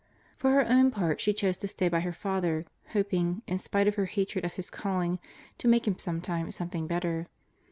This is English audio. For her own part she chose to stay by her father, hoping, in spite of her hatred of his calling, to make him sometime something better.